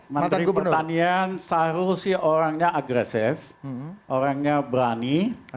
menteri pertanian seharusnya orangnya agresif orangnya berani